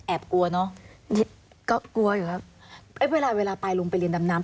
กลัวเนอะก็กลัวอยู่ครับเวลาเวลาไปลุงไปเรียนดำน้ำ